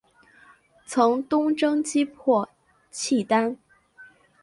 曾东征击破契丹。